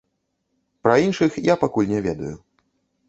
Пра іншых я пакуль не ведаю.